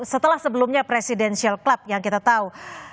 setelah sebelumnya presidential club yang kita tahu